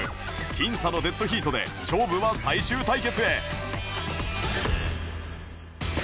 僅差のデッドヒートで勝負は最終対決へ